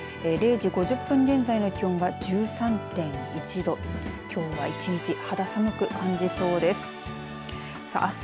０時５０分現在の気温が１３．１度、きょうは一日、肌寒く感じそうです。